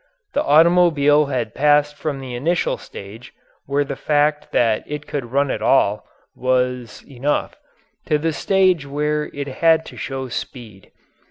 The automobile had passed from the initial stage where the fact that it could run at all was enough, to the stage where it had to show speed.